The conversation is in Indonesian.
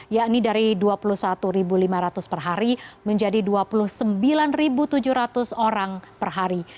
yakni dari dua puluh satu lima ratus per hari menjadi dua puluh sembilan tujuh ratus orang per hari